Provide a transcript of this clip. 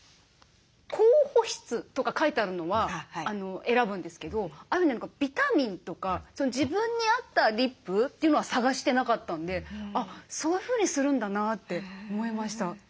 高保湿とか書いてあるのは選ぶんですけどああいうふうにビタミンとか自分に合ったリップというのは探してなかったんでそういうふうにするんだなって思いました。